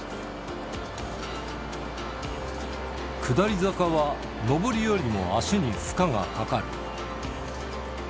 下り坂は上りよりも足に負荷がかかる。